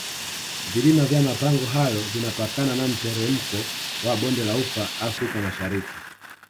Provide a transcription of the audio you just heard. vilima vya mapango hayo vinapakana na mteremko wa bonde la ufa africa mashariki